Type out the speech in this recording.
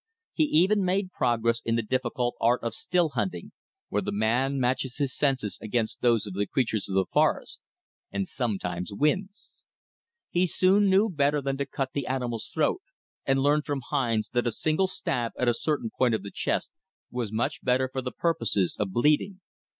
He even made progress in the difficult art of still hunting, where the man matches his senses against those of the creatures of the forest, and sometimes wins. He soon knew better than to cut the animal's throat, and learned from Hines that a single stab at a certain point of the chest was much better for the purposes of bleeding.